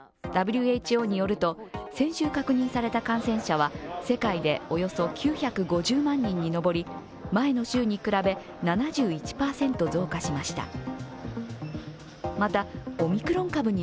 ＷＨＯによると、先週確認された感染者は世界でおよそ９５０万人に上り、前の週に比べ７１％増加しました。